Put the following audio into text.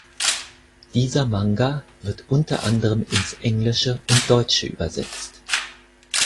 Dieser Manga wird unter anderem ins Englische und Deutsche übersetzt.